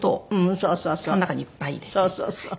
そうそうそう。